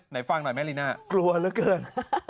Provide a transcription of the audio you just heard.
ไหนฟังหน่อยแม่ลีน่ากลัวเหลือเกิน